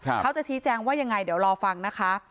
เขาจะชี้แจงว่ายังไงเดี๋ยวรอฟังนะคะ